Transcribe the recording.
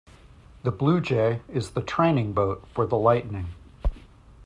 The Blue Jay is the training boat for the Lightning.